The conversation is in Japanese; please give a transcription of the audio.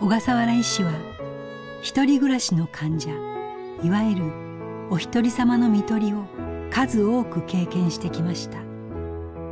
小笠原医師はひとり暮らしの患者いわゆる「おひとりさまの看取り」を数多く経験してきました。